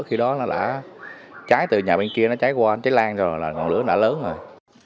khi đó nó đã cháy từ nhà bên kia nó cháy qua cháy lan rồi là ngọn lửa đã lớn rồi